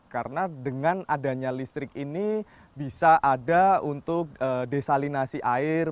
karena dengan adanya listrik ini bisa ada untuk desalinasi air